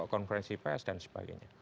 konferensi pres dan sebagainya